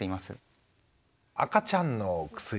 赤ちゃんの薬。